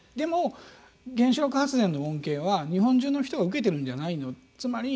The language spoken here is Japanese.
でも、原子力発電の恩恵は日本中の人が受けてるんじゃないの。